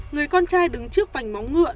người con trai đứng trước vành móng ngựa